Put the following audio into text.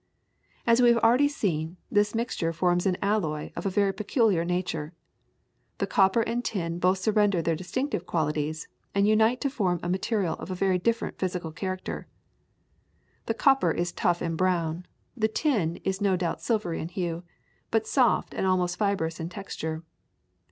As we have already seen, this mixture forms an alloy of a very peculiar nature. The copper and the tin both surrender their distinctive qualities, and unite to form a material of a very different physical character. The copper is tough and brown, the tin is no doubt silvery in hue, but soft and almost fibrous in texture.